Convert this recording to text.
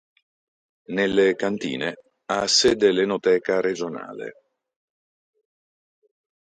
Nelle cantine ha sede l’Enoteca Regionale.